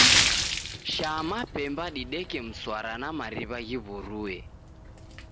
Shaa mapemba dideke mswara na mariw'a ghiw'urue.